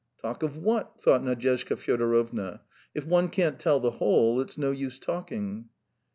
"Talk of what?" thought Nadyezhda Fyodorovna. "If one can't tell the whole, it's no use talking."